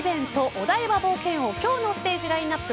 お台場冒険王、今日のステージラインアップ